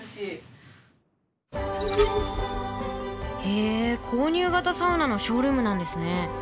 へえ購入型サウナのショールームなんですね。